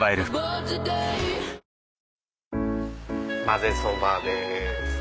まぜそばです。